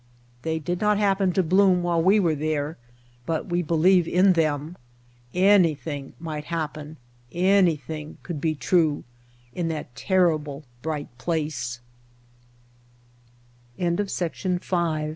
They did not happen to bloom while we were there but we believe in them. Anything might happen, anything could be true in that terrible, br